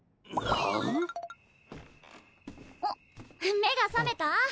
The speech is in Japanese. あっ目が覚めた？